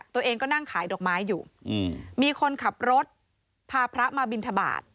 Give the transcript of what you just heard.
ตัวเองก็นั่งขายดอกไม้อยู่มีคนขับรถพาพระมาบินทบาท